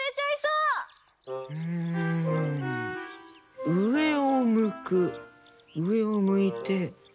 うえをむくうえをむいて。